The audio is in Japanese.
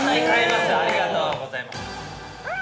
ありがとうございます。